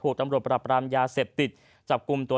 กลาบเล่ว